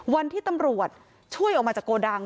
วันที่ตำรวจช่วยออกมาจากโกดัง